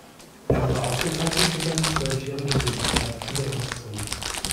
Er wurde ausgezeichnet für seine zwölfjährige Tätigkeit in der Industrie.